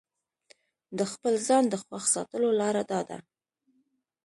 د خپل ځان د خوښ ساتلو لاره داده.